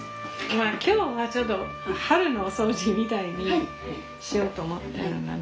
今日はちょっと春のお掃除みたいにしようと思ってるんだよね。